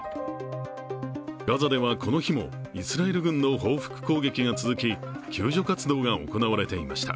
ガザではこの日もイスラエル軍の報復攻撃が続き、救助活動が行われていました。